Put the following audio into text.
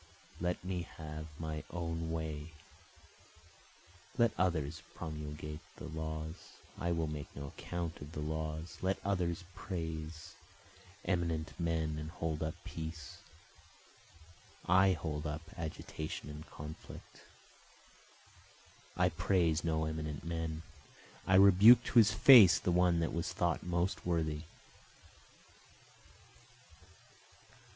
Let me have my own way, Let others promulge the laws, I will make no account of the laws, Let others praise eminent men and hold up peace, I hold up agitation and conflict, I praise no eminent man, I rebuke to his face the one that was thought most worthy.